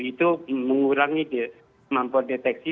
itu mengurangi mampu deteksi